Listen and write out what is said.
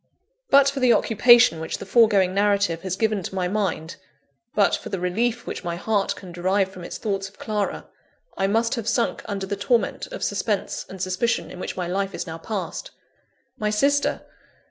But for the occupation which the foregoing narrative has given to my mind; but for the relief which my heart can derive from its thoughts of Clara, I must have sunk under the torment of suspense and suspicion in which my life is now passed. My sister!